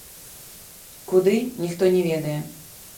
Куды, ніхто не ведае.